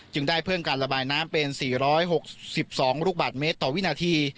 ได้เพิ่มการระบายน้ำเป็น๔๖๒ลูกบาทเมตรต่อวินาที